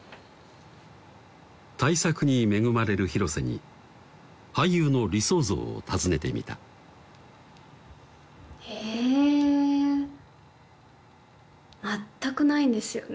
大作に恵まれる広瀬に俳優の理想像を尋ねてみたえ全くないんですよね